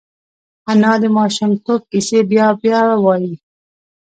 انا د ماشومتوب کیسې بیا بیا وايي